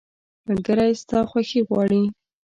ملګری ستا خوښي غواړي.